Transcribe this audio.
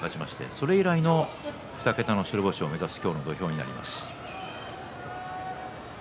それ以来の２桁の白星を目指す今日の土俵です。